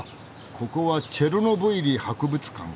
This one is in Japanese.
ここはチェルノブイリ博物館か。